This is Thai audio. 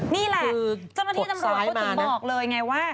นี่แหละเจ้าหน้าที่ตำรวจเขาถึงบอกเลยไงว่า